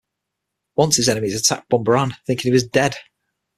Once his enemies attacked Bumbaran, thinking he was dead.